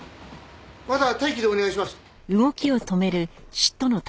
まだ待機でお願いします。